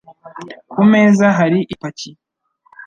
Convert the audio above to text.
Ku meza hari ipaki.